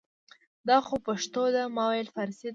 دا خو پښتو ده ما ویل فارسي ده